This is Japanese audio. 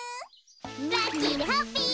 ラッキーでハッピー！